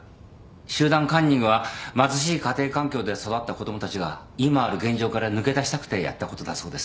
集団カンニングは貧しい家庭環境で育った子供たちが今ある現状から抜け出したくてやったことだそうです。